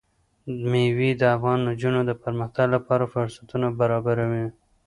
مېوې د افغان نجونو د پرمختګ لپاره فرصتونه برابروي.